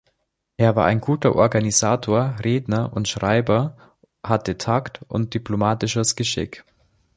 Er war ein guter Organisator, Redner und Schreiber, hatte Takt und diplomatisches Geschick.